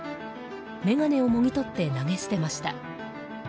眼鏡をもぎ取って投げ捨てました。